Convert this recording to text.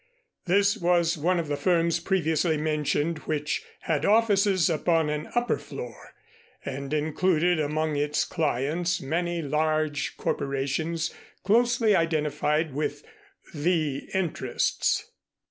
This was one of the firms previously mentioned which had offices upon an upper floor and included among its clients many large corporations closely identified with "The Interests."